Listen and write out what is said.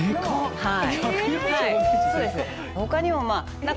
はい。